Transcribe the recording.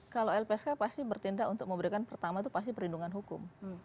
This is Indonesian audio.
kalau lpsk pasti bertindak untuk memberikan pertama itu pasti perlindungan hukum